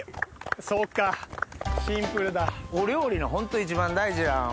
そっかシンプルだお料理のホント一番大事なお塩。